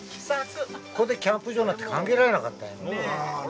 ここでキャンプ場なんて考えられなかった。